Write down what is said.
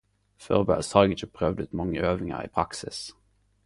Førebels har eg ikkje prøvd ut mange øvingar i praksis.